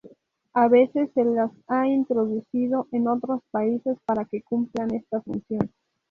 A veces se las ha introducido en otros países para que cumplan esta función.